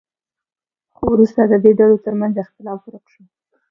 خو وروسته د دې ډلو ترمنځ اختلاف ورک شو.